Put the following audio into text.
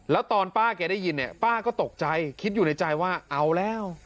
แล้วตอนป้าแกได้ยินเนี่ยป้าก็ตกใจคิดอยู่ในใจว่าเอาแล้ว